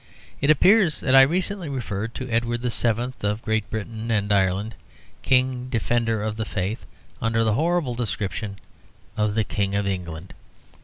It appears that I recently referred to Edward VII. of Great Britain and Ireland, King, Defender of the Faith, under the horrible description of the King of England.